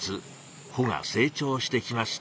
穂が成長してきました。